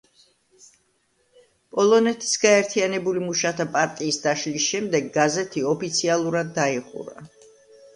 პოლონეთის გაერთიანებული მუშათა პარტიის დაშლის შემდეგ გაზეთი ოფიციალურად დაიხურა.